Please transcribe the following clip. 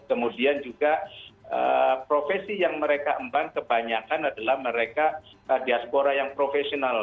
kemudian juga profesi yang mereka emban kebanyakan adalah mereka diaspora yang profesional